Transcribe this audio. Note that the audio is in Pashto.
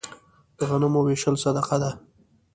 د غنمو ویشل صدقه ده.